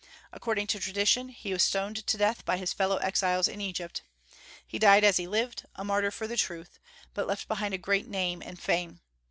According to tradition he was stoned to death by his fellow exiles in Egypt. He died as he had lived, a martyr for the truth, but left behind a great name and fame.